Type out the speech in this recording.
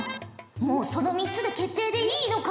もうその３つで決定でいいのか？